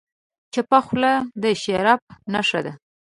چپه خوله، د شرف نښه ده.